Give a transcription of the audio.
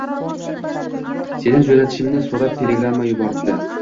Seni jo`natishimni so`rab, telegramma yuboribdi